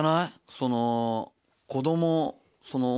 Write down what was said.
その子どもそのあ